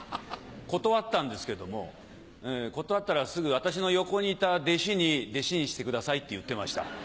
断ったんですけども断ったらすぐ私の横にいた弟子に「弟子にしてください」って言ってました。